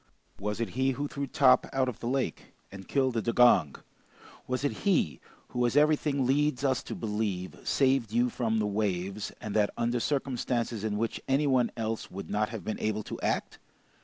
Was it he who threw Top out of the lake, and killed the dugong? Was it he, who as everything leads us to believe, saved you from the waves, and that under circumstances in which any one else would not have been able to act?